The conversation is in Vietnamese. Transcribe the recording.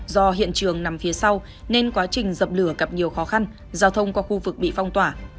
do hiện trường nằm phía sau nên quá trình dập lửa gặp nhiều khó khăn giao thông qua khu vực bị phong tỏa